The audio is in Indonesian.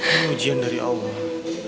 ini ujian dari allah